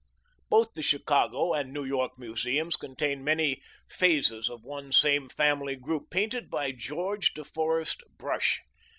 Both the Chicago and New York museums contain many phases of one same family group, painted by George de Forest Brush.